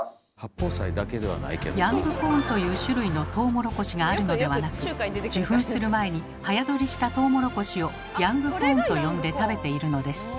ヤングコーンという種類のトウモロコシがあるのではなく受粉する前に早採りしたトウモロコシをヤングコーンと呼んで食べているのです。